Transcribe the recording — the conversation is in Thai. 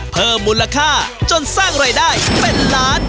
เพิ่มมูลค่าจนสร้างรายได้เป็นล้าน